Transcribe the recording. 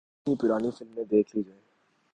اپنی ہی پرانی فلمیں دیکھ لی جائیں۔